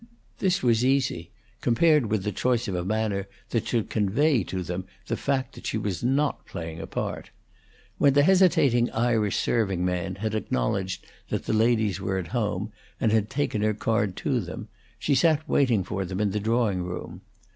This was easy, compared with the choice of a manner that should convey to them the fact that she was not playing a part. When the hesitating Irish serving man had acknowledged that the ladies were at home, and had taken her card to them, she sat waiting for them in the drawing room.